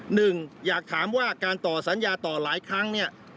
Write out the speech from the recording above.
หนึ่งอยากถามว่าการต่อสัญญาต่อหลายครั้งเนี่ย